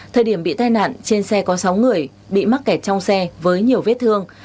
thời điểm bị tai nạn trên xe có sáu người bị mắc kẹt trong xe với nhiều vết thương